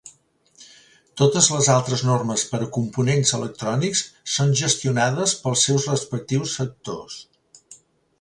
Totes les altres normes per a components electrònics són gestionades pels seus respectius sectors.